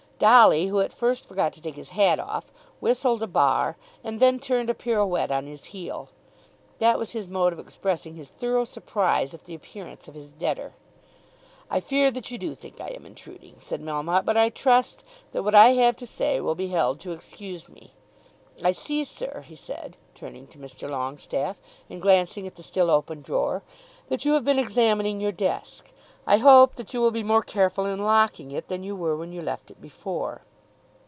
Dolly, who at first forgot to take his hat off, whistled a bar, and then turned a pirouette on his heel. That was his mode of expressing his thorough surprise at the appearance of his debtor. "I fear that you do think I am intruding," said Melmotte, "but I trust that what I have to say will be held to excuse me. I see, sir," he said, turning to Mr. Longestaffe, and glancing at the still open drawer, "that you have been examining your desk. I hope that you will be more careful in locking it than you were when you left it before."